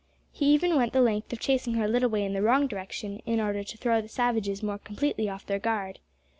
He even went the length of chasing her a little way in the wrong direction, in order to throw the savages more completely off their guard.